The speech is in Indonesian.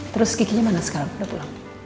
terus kiki nya mana sekarang